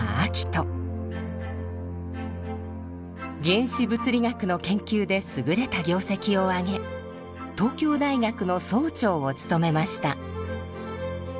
原子物理学の研究ですぐれた業績を挙げ東京大学の総長を務めました。